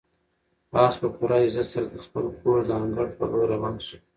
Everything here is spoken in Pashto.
آس په پوره عزت سره د خپل کور د انګړ په لور روان شو.